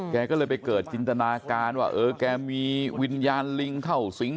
แกก็เลยไปเกิดจินตนาการว่าเออแกมีวิญญาณลิงเข้าสิง